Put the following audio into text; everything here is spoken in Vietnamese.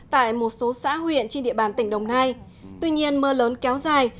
tại một số xã huyện trên địa bàn tỉnh đồng nai tuy nhiên mưa lớn kéo dài